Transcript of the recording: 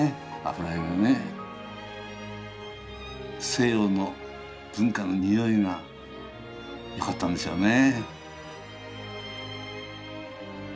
西洋の文化の匂いがよかったんでしょうね。